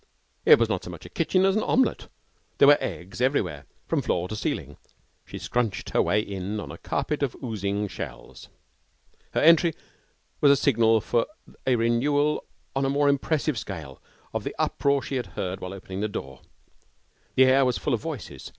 It was not so much a kitchen as an omelette. There were eggs everywhere, from floor to ceiling. She crunched her way in on a carpet of oozing shells. Her entry was a signal for a renewal on a more impressive scale of the uproar that she had heard while opening the door. The air was full of voices.